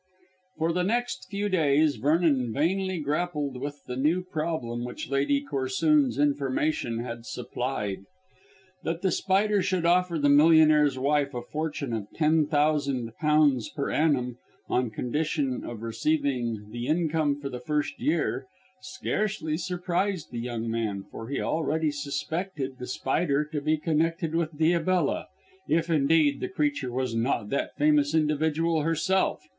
For the next few days Vernon vainly grappled with the new problem which Lady Corsoon's information had supplied. That The Spider should offer the millionaire's wife a fortune of ten thousand pounds per annum on condition of receiving the income for the first year scarcely surprised the young man, for he already suspected The Spider to be connected with Diabella, if, indeed, the creature was not that famous individual herself.